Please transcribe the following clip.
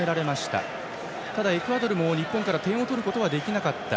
ただ、エクアドルも日本から点を取ることはできなかった。